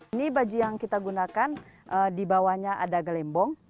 ini baju yang kita gunakan di bawahnya ada gelembong